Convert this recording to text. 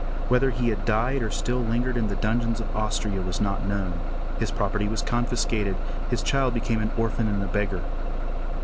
Whether he had died or still lingered in the dungeons of Austria was not known. His property was confiscated; his child became an orphan and a beggar.